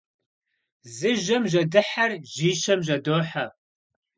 Зы жьэм жьэдыхьэр жьищэм жьэдохьэ.